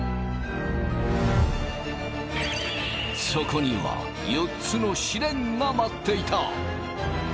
そこには４つの試練が待っていた！